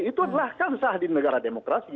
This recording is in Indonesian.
itu adalah kansah di negara demokrasi